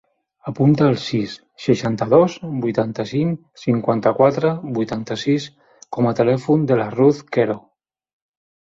Apunta el sis, seixanta-dos, vuitanta-cinc, cinquanta-quatre, vuitanta-sis com a telèfon de la Ruth Quero.